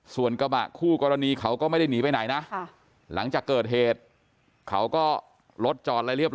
ส่วนกระบะคู่กรณีเขาก็ไม่ได้หนีไปไหนนะหลังจากเกิดเหตุเขาก็รถจอดอะไรเรียบร